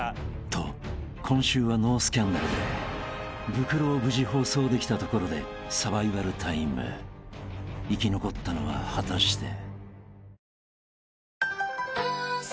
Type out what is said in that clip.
［と今週はノースキャンダルでブクロを無事放送できたところでサバイバルタイム生き残ったのは果たして］